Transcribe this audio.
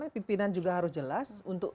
pimpinan juga harus jelas